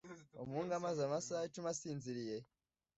Umuhungu amaze amasaha icumi asinziriye.